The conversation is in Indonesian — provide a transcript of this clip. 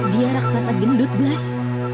dia raksasa gendut glass